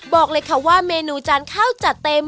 บอกเลยค่ะว่าเมนูจานข้าวจัดเต็ม